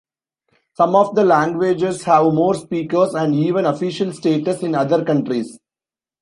Some of the languages have more speakers, and even official status, in other countries.